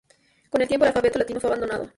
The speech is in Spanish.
Con el tiempo el alfabeto latino fue abandonado.